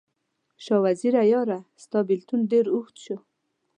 شاه وزیره یاره، ستا بیلتون ډیر اوږد شو